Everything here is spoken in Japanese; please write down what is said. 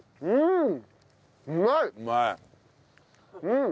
うん！